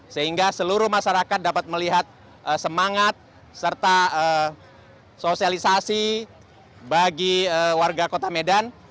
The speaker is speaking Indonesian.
sehingga seluruh masyarakat dapat melihat semangat serta sosialisasi bagi warga kota medan